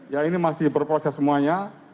ya ini masih berproses semuanya